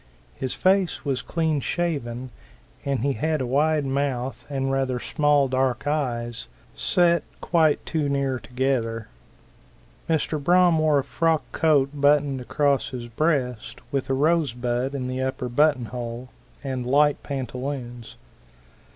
His face was clean shaven, and he had a wide mouth and rather small dark eyes, set quite too near together. Mr. Braham wore a brown frock coat buttoned across his breast, with a rose bud in the upper buttonhole, and light pantaloons.